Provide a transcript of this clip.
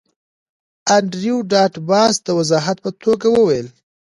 انډریو ډاټ باس د وضاحت په توګه وویل